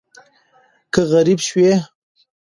که غریب شوې